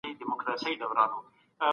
موږ باید له عصري وسایلو کار واخلو.